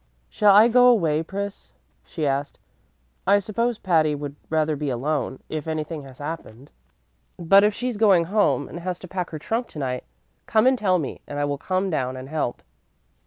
"Shall I go away, Pris?" she asked. "I suppose Patty would rather be alone if anything has happened. But if she's going home and has to pack her trunk to night, come and tell me and I will come down and help."